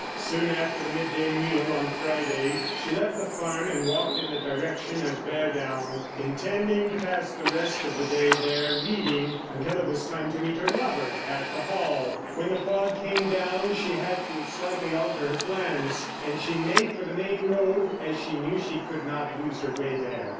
Soon after the midday meal on Friday she left the farm and walked in the direction of Beardown, intending to pass the rest of the day there reading, until it was time to meet her lover at the Hall. When the fog came down, she had to slightly alter her plans, and she made for the main road as she knew she could not lose her way there.